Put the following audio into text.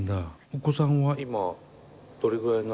お子さんは今どれぐらいになった？